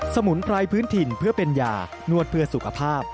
มุนไพรพื้นถิ่นเพื่อเป็นยานวดเพื่อสุขภาพ